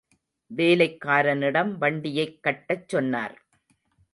வேலைக் காரனிடம் வண்டியைக் கட்டச் சொன்னார்.